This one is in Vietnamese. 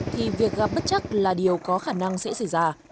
thì việc gặp bất chắc là điều có khả năng sẽ xảy ra